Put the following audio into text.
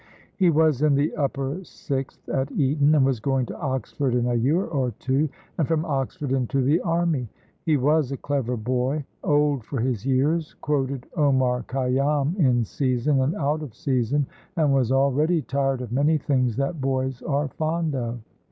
He was in the upper sixth at Eton, and was going to Oxford in a year or two, and from Oxford into the Army. He was a clever boy, old for his years, quoted Omar Khayyam in season and out of season, and was already tired of many things that boys are fond of.